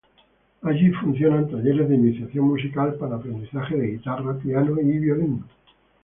Allí funcionan talleres de iniciación musical para aprendizaje de guitarra, piano y violín.